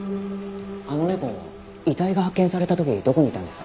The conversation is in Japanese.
あの猫遺体が発見された時どこにいたんです？